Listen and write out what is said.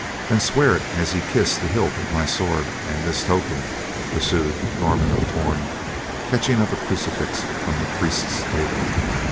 "Then swear it as ye kiss the hilt of my sword and this token," pursued Norman of Torn catching up a crucifix from the priest's table.